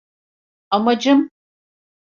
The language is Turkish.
Amacım…